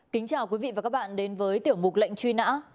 kính chào quý vị và các bạn đến với tiểu mục lệnh truy nã